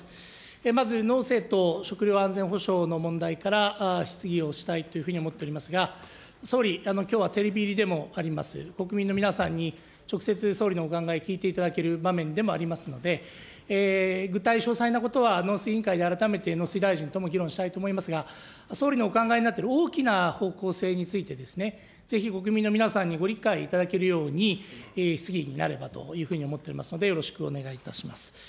まず農政と食料安全保障の問題から質疑をしたいというふうに思っておりますが、総理、きょうはテレビ入りでもあります、国民の皆さんに直接総理のお考え聞いていただける場面でもありますので、具体、詳細なことは農水委員会で改めて農水大臣とも議論したいと思いますが、総理のお考えになっている大きな方向性についてですね、ぜひ国民の皆さんにご理解いただけるように、質疑になればというふうに思っておりますので、よろしくお願いいたします。